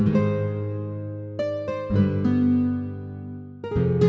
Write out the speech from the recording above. semoga nggak hujan lagi